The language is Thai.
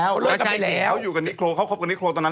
เขาเลิกกันไปแล้วแล้วใช่เขาอยู่กันที่โครงเขาคบกันที่โครงตอนนั้น